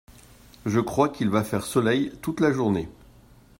Je crois qu’il va faire soleil toute la journée.